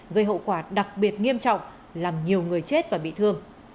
gây hậu quả đặc biệt nghiêm trọng làm nhiều người chết và bị thương